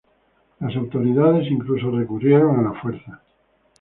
Las autoridades incluso recurrieron a la fuerza.